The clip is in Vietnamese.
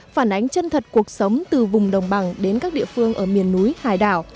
phản ánh chân thật cuộc sống từ vùng đồng bằng đến các địa phương ở miền núi hải đảo